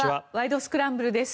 スクランブル」です。